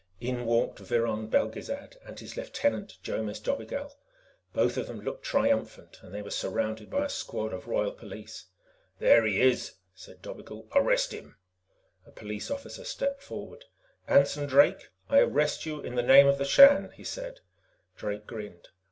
In walked Viron Belgezad and his lieutenant, Jomis Dobigel. Both of them looked triumphant, and they were surrounded by a squad of Royal Police. "There he is," said Dobigel. "Arrest him!" A police officer stepped forward. "Anson Drake, I arrest you in the name of the Shan," he said. Drake grinned.